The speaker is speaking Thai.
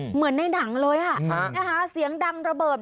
เหมือนในหนังเลยนะคะเสียงดังระเบิด